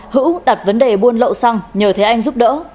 hữu đặt vấn đề buôn lậu xăng nhờ thế anh giúp đỡ